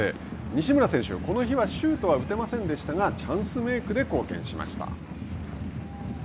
西村選手、この日はシュートは打てませんでしたがチャンスメークで貢献しました。